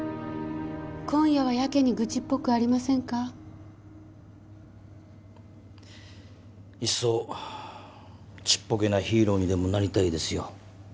今夜はヤケにぐちっぽくありませんかいっそちっぽけなヒーローにでもなりたいですよ